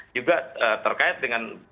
juga terkait dengan